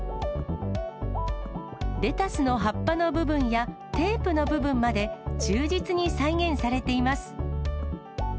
レタスの葉っぱの部分や、テープの部分まで忠実に再現されています。